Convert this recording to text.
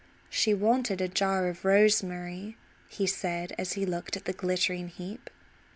"She wanted a jar of rosemary," he said as he looked at the glittering heap.